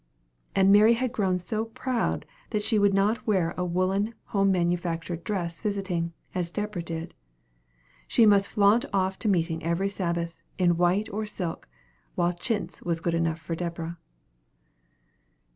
And Mary had grown so proud that she would not wear a woolen home manufactured dress visiting, as Deborah did. She must flaunt off to meeting every Sabbath, in white or silk, while chintz was good enough for Deborah.